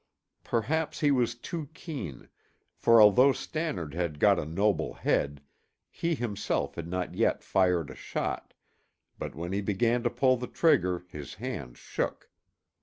Perhaps he was too keen, for although Stannard had got a noble head, he himself had not yet fired a shot, but when he began to pull the trigger his hand shook.